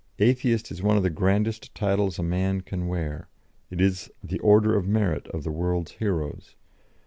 "Atheist is one of the grandest titles a man can wear; it is the Order of Merit of the world's heroes.